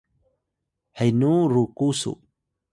Hayung: henu ruku su?